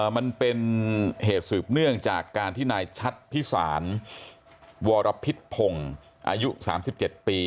มันเป็นเหตุสืบเนื่องจากการที่นายชัดพิสารวรพิษพงศ์อายุ๓๗ปี